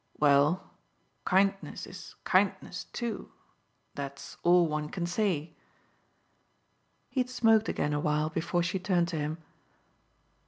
"Well, kindness is kindness too that's all one can say." He had smoked again a while before she turned to him.